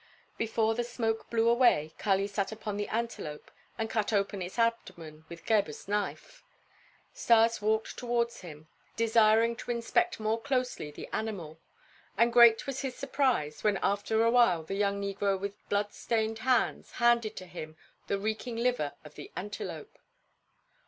Before the smoke blew away, Kali sat upon the antelope and cut open its abdomen with Gebhr's knife. Stas walked towards him, desiring to inspect more closely the animal, and great was his surprise when after a while the young negro with blood stained hands handed to him the reeking liver of the antelope.